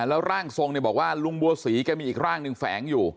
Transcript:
แล้วร่างทรงเนี่ยบอกว่าลุงบัวศรีแกมีอีกร่างหนึ่งแฝงอยู่